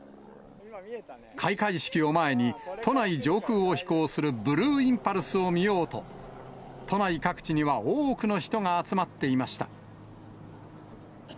開会式を前に、都内上空を飛行するブルーインパルスを見ようと、都内各地には多くの人が集まっていました。